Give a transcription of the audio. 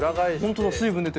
本当だ水分出てる。